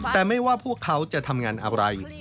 แต่ไม่ว่าพวกเขาจะทำงานอะไร